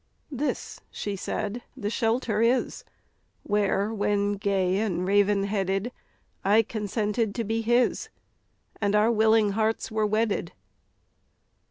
"This," she said, "the shelter is, Where, when gay and raven headed, I consented to be his, And our willing hearts were wedded.